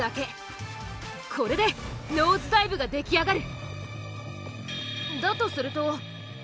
これでノーズダイブが出来上がる。